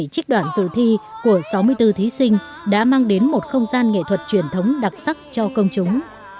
hai mươi trích đoạn dự thi của sáu mươi bốn thí sinh đã mang đến một không gian nghệ thuật truyền thống đặc sắc cho công chúng